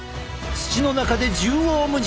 土の中で縦横無尽に伸び。